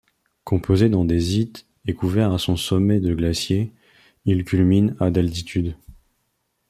Composé d'andésite et couvert à son sommet de glaciers, il culmine à d'altitude.